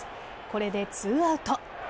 これで２アウト。